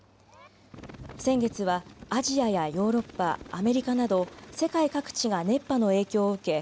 先月はアジアやヨーロッパ、アメリカなど世界各地が熱波の影響を受け